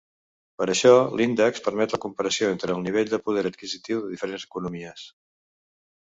Per això, l'índex permet la comparació entre el nivell de poder adquisitiu de diferents economies.